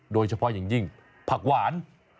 โดยเฉพาะอย่างยิ่งผักหวาน